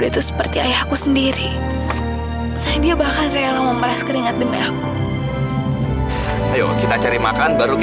bapak kan kalau di rumah biasanya makan yang mewah mewah kan pak